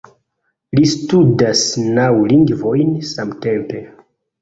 Li studas naŭ lingvojn samtempe